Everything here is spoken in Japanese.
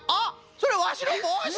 それはわしのぼうし！